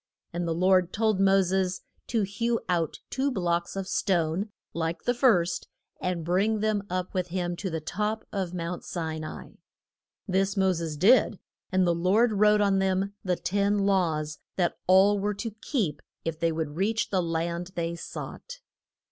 And the Lord told Mo ses to hew out two blocks of stone like to the first, and bring them up with him to the top of Mount Si na i. This Mo ses did, and the Lord wrote on them the Ten Laws that all were to keep if they would reach the land they sought.